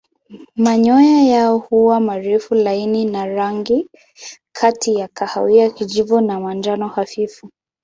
Manyoya yao huwa marefu laini na rangi kati ya kahawia kijivu na manjano hafifu.